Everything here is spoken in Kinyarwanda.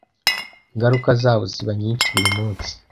Ingaruka zabo ziba nyinshi burimunsi,